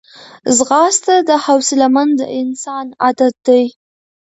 ځغاسته د حوصلهمند انسان عادت دی